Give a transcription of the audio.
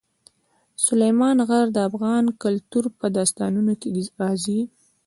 سلیمان غر د افغان کلتور په داستانونو کې راځي.